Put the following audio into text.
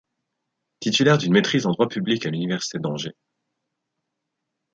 Titulaire d'une maîtrise en droit public à l'université d'Angers.